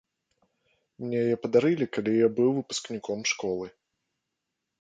Мне яе падарылі, калі я быў выпускніком школы.